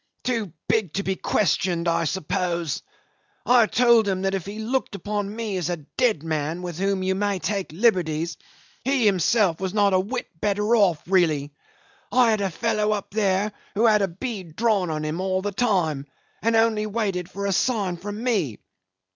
Too big to be questioned, I suppose. I told him that if he looked upon me as a dead man with whom you may take liberties, he himself was not a whit better off really. I had a fellow up there who had a bead drawn on him all the time, and only waited for a sign from me.